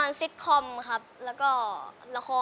มีป้าป่า